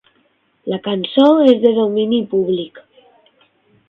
La cançó és de domini públic.